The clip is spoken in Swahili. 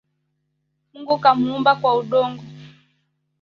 Mungu kamuumba kwa udongo